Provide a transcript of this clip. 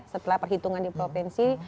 setelah perhitungan di provinsi